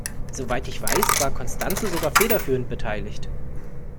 Soweit ich weiß, war Constanze sogar federführend beteiligt.